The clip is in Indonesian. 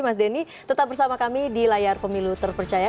mas denny tetap bersama kami di layar pemilu terpercaya